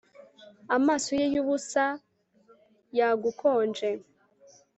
Amaso ye yubusa yagukonje